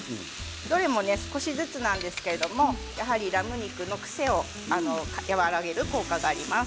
どれも少しずつなんですけれどもラム肉の癖を和らげる効果があります。